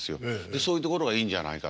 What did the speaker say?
そういうところがいいんじゃないかと。